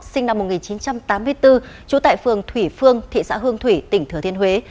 sinh năm một nghìn chín trăm tám mươi bốn trú tại phường thủy phương thị xã hương thủy tỉnh thừa thiên huế